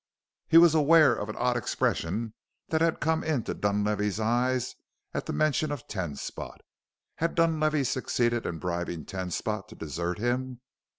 He was aware of an odd expression that had come into Dunlavey's eyes at the mention of Ten Spot. Had Dunlavey succeeded in bribing Ten Spot to desert him?